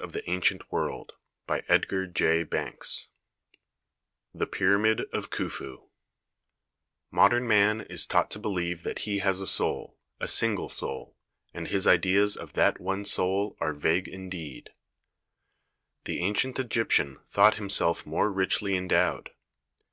At End THE FIRST WONDER The Pyramid of KJhufu M THe Pyramid of Khufu ODERN man is taught to believe that he has a soul, a single soul, and his ideas of that one soul are vague indeed. The ancient Egyptian thought himself more richly endowed.